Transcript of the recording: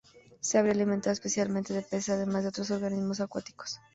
Se habría alimentado especialmente de peces además de otros organismos acuáticos.